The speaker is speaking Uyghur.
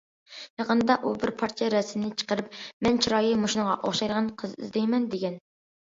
يېقىندا ئۇ بىر پارچە رەسىمنى چىقىرىپ:« مەن چىرايى مۇشۇنىڭغا ئوخشايدىغان قىز ئىزدەيمەن» دېگەن.